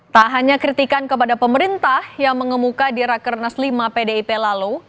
tak hanya kritikan kepada pemerintah yang mengemuka di rakernas lima pdip lalu